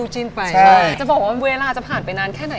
จะบอกว่าเวลาจะผ่านไปนานแค่ไหน